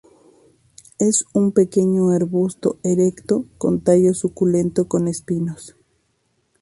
Es un pequeño arbusto erecto con tallo suculento con espinos.